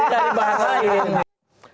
dari bahasa ini